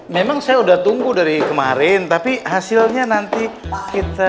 memang saya sudah tunggu dari kemarin tapi hasilnya nanti kita